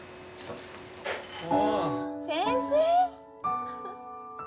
先生！